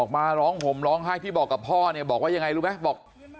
มาร้องห่มร้องไห้ที่บอกกับพ่อเนี่ยบอกว่ายังไงรู้ไหมบอก